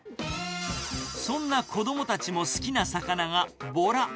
そんな子どもたちも好きな魚がボラ。